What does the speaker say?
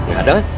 gak ada kan